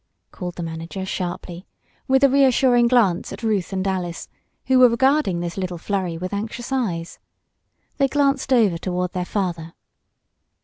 called the manager sharply, with a reassuring glance at Ruth and Alice, who were regarding this little flurry with anxious eyes. They glanced over toward their father.